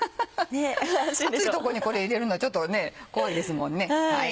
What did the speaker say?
熱いとこにこれ入れるのはちょっとね怖いですもんね。